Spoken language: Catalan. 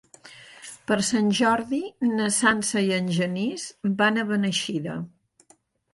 Per Sant Jordi na Sança i en Genís van a Beneixida.